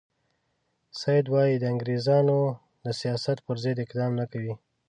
سید وایي د انګریزانو د سیاست پر ضد اقدام نه کوي.